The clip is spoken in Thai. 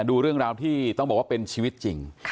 ดูเรื่องราวที่ต้องบอกว่าเป็นชีวิตจริง